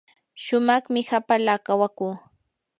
shumaqmi hapala kawakuu.